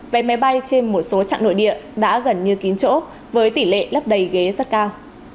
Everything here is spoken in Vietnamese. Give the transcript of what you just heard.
về máy bay trên một số trạng nội địa đã gần như kín chỗ với tỷ lệ lấp đầy ghế rất cao